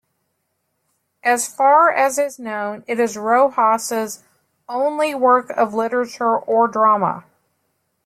As far as is known it is Rojas's only work of literature or drama.